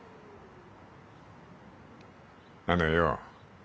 あのよ